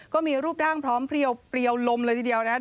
ก็มีรูปร่างพร้อมเพลียวลมเลยทีเดียวนะครับ